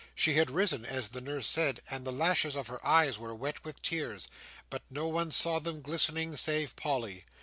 She had risen, as the nurse said, and the lashes of her eyes were wet with tears. But no one saw them glistening save Polly.